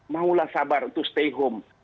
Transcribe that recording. maulah sabar untuk stay home